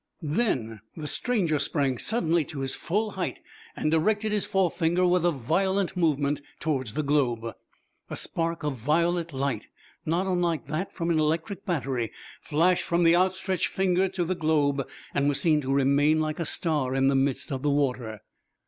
Then the stranger sprang suddenly to his full height, and directed his forefinger with a violent movement toward the globe. A spark of violet light not unlike that from an electric battery flashed from the outstretched finger to the globe, and was seen to remain like a star in the midst of the water.